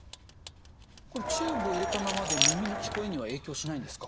これチューブを入れたままで耳の聞こえには影響しないんですか？